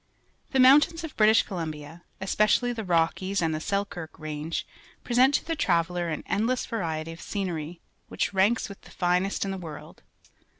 — The mountains of British Columbia, especially the Rockies and the Selkirk Range, present to the traveller an endless variety of scenery, which ranks with the finest in the world.